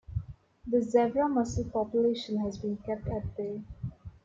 The zebra mussel population has been kept at bay.